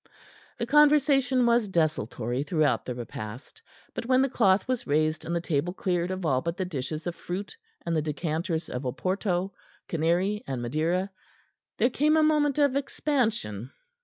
The conversation was desultory throughout the repast; but when the cloth was raised and the table cleared of all but the dishes of fruit and the decanters of Oporto, Canary and Madeira, there came a moment of expansion.